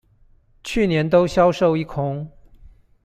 去年都銷售一空